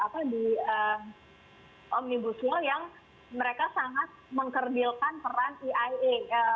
jadi di omnibusil yang mereka sangat mengkerbilkan peran iae